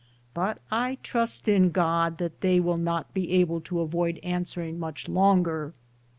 But I trust in God that they will not be able to avoid answering much longer.